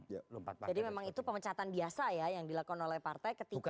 jadi memang itu pemecatan biasa ya yang dilakukan oleh partai ketika